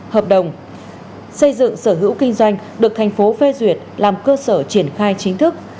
hợp đồng xây dựng sở hữu kinh doanh được thành phố phê duyệt làm cơ sở triển khai chính thức